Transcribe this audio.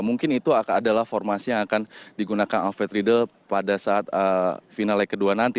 mungkin itu adalah formasi yang akan digunakan alfred riedel pada saat final leg kedua nanti